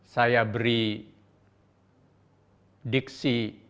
saya beri diksi